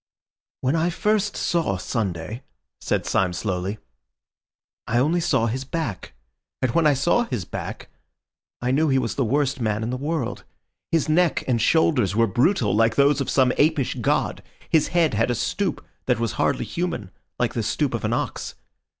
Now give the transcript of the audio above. "When I first saw Sunday," said Syme slowly, "I only saw his back; and when I saw his back, I knew he was the worst man in the world. His neck and shoulders were brutal, like those of some apish god. His head had a stoop that was hardly human, like the stoop of an ox.